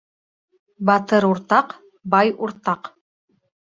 Батыр уртаҡ, бай уртаҡ